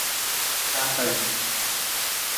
Ɛqel-d.